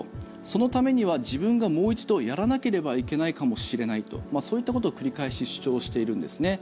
そのためには自分がもう一度やらなければいけないかもしれないとそういったことを繰り返し主張しているんですね。